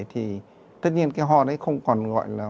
thì tất nhiên cái ho đấy không còn gọi là